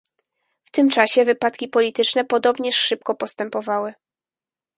"W tym czasie wypadki polityczne podobnież szybko postępowały."